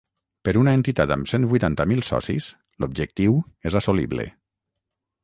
Per una entitat amb cent vuitanta mil socis, l’objectiu és assolible.